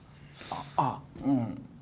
あっうん